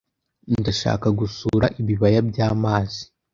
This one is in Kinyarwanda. Ndashaka gusura ibibaya byamazi.